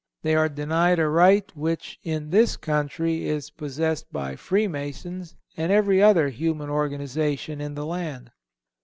They are denied a right which in this country is possessed by Free Masons and every other human organization in the land.